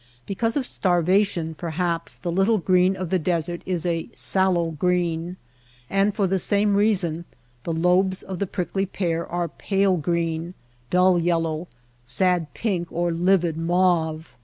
Because of starva tion perhaps the little green of the desert is a sallow green ; and for the same reason the lobes of the prickly pear are pale green, dull yellow, sad pink or livid mauve.